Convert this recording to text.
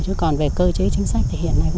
chứ còn về cơ chế chính sách thì hiện nay